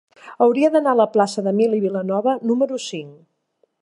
Hauria d'anar a la plaça d'Emili Vilanova número cinc.